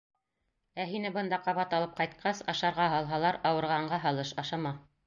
Ә һине бында ҡабат алып ҡайтҡас, ашарға һалһалар, ауырығанға һалыш, ашама.